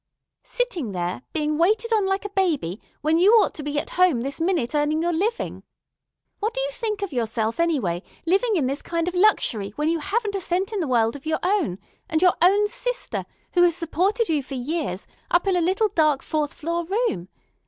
"Sitting there, being waited on like a baby, when you ought to be at home this minute earning your living. What do you think of yourself, anyway, living in this kind of luxury when you haven't a cent in the world of your own, and your own sister, who has supported you for years, up in a little dark fourth floor room?